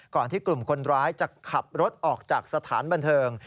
ก่อนที่กลุ่มคนร้ายจะขับรถออกจากสถานบันเทิง